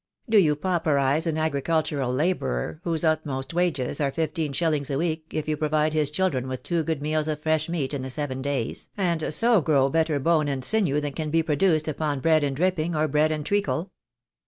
Do you pauperise an agricultural labourer whose utmost wages are fifteen shillings a week if you provide his children with two good meals of fresh meat in the seven days, and so grow better bone and sinew than can be produced upon bread and dripping, or bread and treacle?